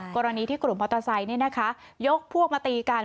กรณีที่กลุ่มมอเตอร์ไซค์ยกพวกมาตีกัน